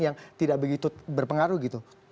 yang tidak begitu berpengaruh gitu